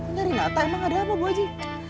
nyari nata emang ada apa bu aji